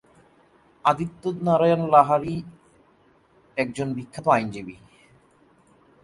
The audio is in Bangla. আদিত্য নারায়ণ লাহিড়ী একজন বিখ্যাত আইনজীবী।